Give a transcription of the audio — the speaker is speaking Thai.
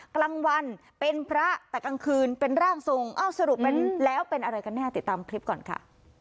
กลางวันเป็นพระแต่กลางคืนเป็นร่างทรงเอ้าสรุปแล้วเป็นอะไรกันแน่ติดตามคลิปก่อนค่ะ